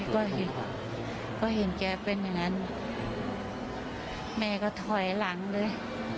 ก็ก็เห็นแกเป็นแบบนั้นแม่ก็ถอยหลังเลย